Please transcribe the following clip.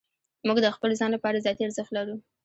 موږ د خپل ځان لپاره ذاتي ارزښت لرو.